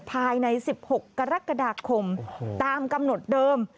ภายใน๑๖กรกฎาคมตามกำหนดเดิม